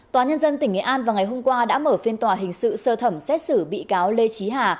tòa nhân dân tỉnh nghệ an vào ngày hôm qua đã mở phiên tòa hình sự sơ thẩm xét xử bị cáo lê trí hà